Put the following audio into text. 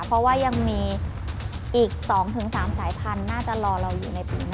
เพราะว่ายังมีอีก๒๓สายพันธุ์น่าจะรอเราอยู่ในปีนี้